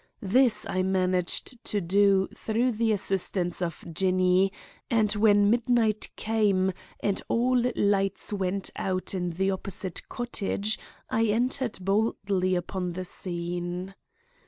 This I managed to do through the assistance of Jinny, and when midnight came and all lights went out in the opposite cottage I entered boldly upon the scene.